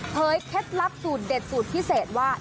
เคล็ดลับสูตรเด็ดสูตรพิเศษว่า